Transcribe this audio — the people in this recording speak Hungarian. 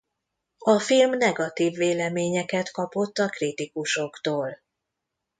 A film negatív véleményeket kapott a kritikusoktól.